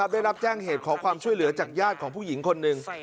ได้รับแจ้งเหตุขอความช่วยเหลือจากญาติของผู้หญิงคนหนึ่ง